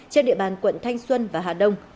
trên địa bàn quận thanh xuân và hà đông